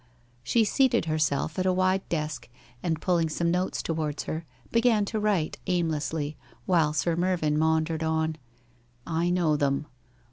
she Beated herself at a wide desk, and pulling some notes towards her, began to write, aimlessly, while Sir Mrrvvn maundered on: ' I know them.